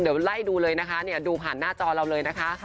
เดี๋ยวไล่ดูเลยนะคะดูผ่านหน้าจอเราเลยนะคะ